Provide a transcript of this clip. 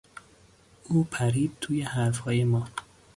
او پرید توی حرفهای ما.